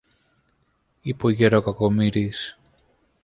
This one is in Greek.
είπε ο γερο Κακομοίρης.